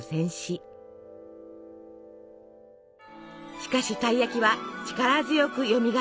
しかしたい焼きは力強くよみがえります。